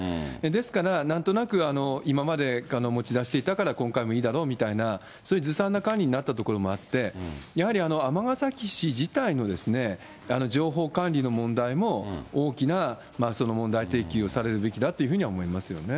ですから、なんとなく今まで持ち出していたから今回もいいだろうみたいな、そういうずさんな管理になったところもあって、やはり尼崎市自体の情報管理の問題も、大きな問題提起をされるべきだというふうに思いますよね。